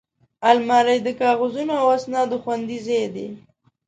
الماري د کاغذونو او اسنادو خوندي ځای دی